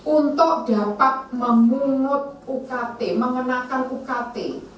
untuk dapat memungut ukt mengenakan ukt